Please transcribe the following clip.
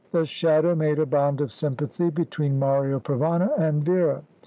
The shadow made a bond of sympathy between Mario Provana and Vera.